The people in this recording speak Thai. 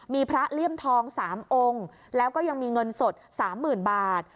มีพระเลี่ยมทอง๓องค์แล้วก็ยังมีเงินสด๓๐๐๐บาท